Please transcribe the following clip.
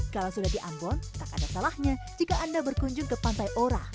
kalau sudah di ambon tak ada salahnya jika anda berkunjung ke pantai ora